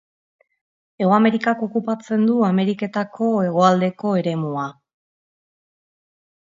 Hego Amerikak okupatzen du Ameriketako hegoaldeko eremua.